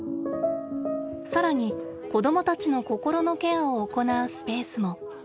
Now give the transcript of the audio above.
更に子どもたちのこころのケアをおこなうスペースも。